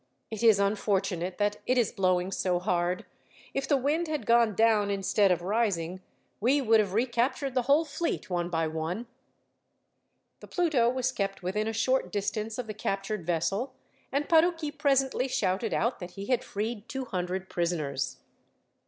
It is unfortunate that it is blowing so hard. If the wind had gone down instead of rising, we would have recaptured the whole fleet, one by one." The Pluto was kept within a short distance of the captured vessel, and Parucchi presently shouted out that he had freed two hundred prisoners.